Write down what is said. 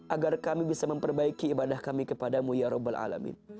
agar kami bisa memperbaiki ibadah kami kepadamu ya rabbil alamin